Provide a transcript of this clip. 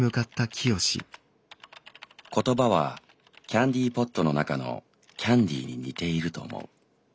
「言葉はキャンディーポットの中のキャンディーに似ていると思う。